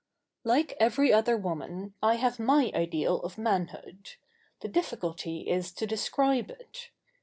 ] Like every other woman, I have my ideal of manhood. The difficulty is to describe it.